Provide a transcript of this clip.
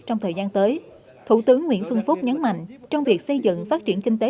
trong thời gian tới thủ tướng nguyễn xuân phúc nhấn mạnh trong việc xây dựng phát triển kinh tế